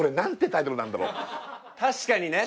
確かにね。